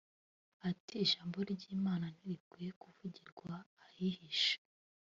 Ati “ijambo ry’Imana ntirikwiye kuvugirwa ahihishe